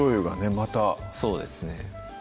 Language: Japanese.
またそうですね